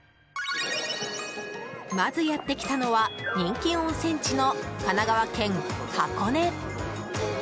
まずやってきたのは人気温泉地の神奈川県箱根。